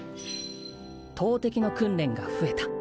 投てきの訓練が増えた